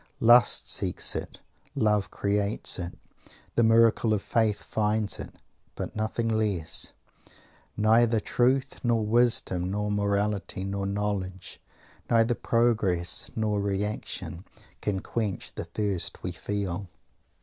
Lust seeks it; Love creates it; the miracle of Faith finds it but nothing less, neither truth nor wisdom nor morality nor knowledge, neither progress nor reaction, can quench the thirst we feel.